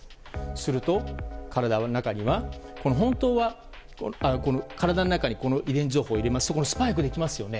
すると、体の中には体の中に遺伝情報を入れますとスパイクができますよね。